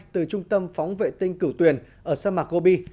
trong trung tâm phóng vệ tinh cửu tuyển ở sân mạc gobi